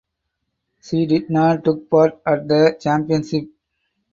She did not took part at the championship.